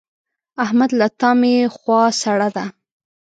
احمد له تا مې خوا سړه ده.